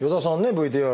ＶＴＲ